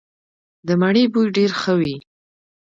د مڼې بوی ډیر ښه وي.